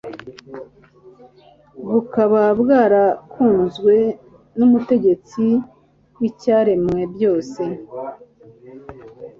bukaba bwarakunzwe n'umutegetsi w'ibyaremwe byose